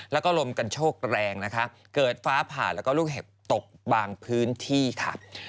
แล้วก็ลมกันโชคแรงนะคะเกิดฟ้าผ่าแล้วก็ลูกเห็บตกบางพื้นที่ค่ะ